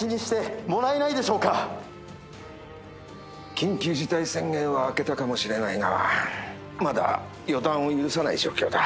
緊急事態宣言は明けたかもしれないがまだ予断を許さない状況だ。